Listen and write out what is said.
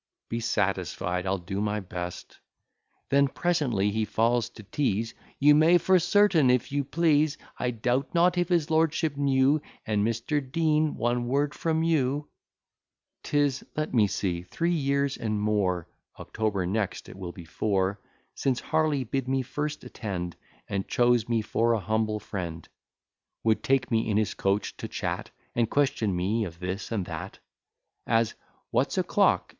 Be satisfied I'll do my best: Then presently he falls to tease, "You may for certain, if you please; I doubt not if his lordship knew And Mr. Dean, one word from you " 'Tis (let me see) three years and more, (October next it will be four,) Since Harley bid me first attend, And chose me for an humble friend; Would take me in his coach to chat, And question me of this and that; As "What's o'clock?"